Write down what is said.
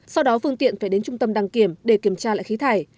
sau đó phương tiện phải đến trung tâm đăng kiểm để kiểm tra lại khí thải